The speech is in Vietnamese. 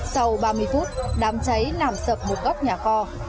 sau ba mươi phút đám cháy làm sập một góc nhà kho